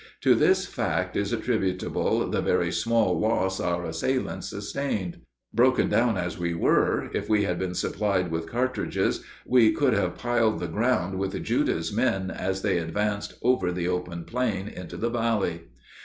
To this fact is attributable the very small loss our assailants sustained. Broken down as we were, if we had been supplied with cartridges we could have piled the ground with Judah's men as they advanced over the open plain into the valley.